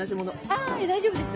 あぁ大丈夫です。